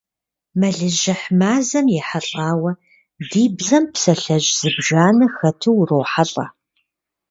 Мэлыжьыхь мазэм ехьэлӀауэ ди бзэм псалъэжь зыбжанэ хэту урохьэлӀэ.